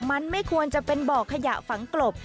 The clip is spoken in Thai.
มันไม่ควรจะเป็นบ่อขยะฝังกลบ